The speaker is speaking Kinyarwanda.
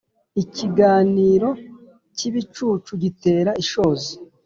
Ikiganiro cy’ibicucu gitera ishozi